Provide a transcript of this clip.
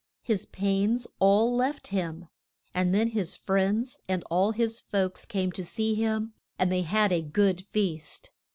His pains all left him; and then his friends and all his folks came to see him and they had a good feast.